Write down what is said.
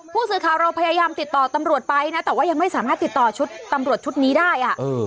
ผู้สื่อข่าวเราพยายามติดต่อตำรวจไปนะแต่ว่ายังไม่สามารถติดต่อชุดตำรวจชุดนี้ได้